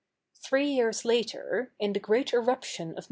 Three years later, in the great eruption of Mt.